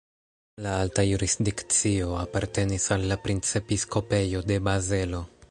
La alta jurisdikcio apartenis al la Princepiskopejo de Bazelo.